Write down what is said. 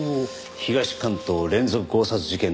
東関東連続強殺事件の犯人。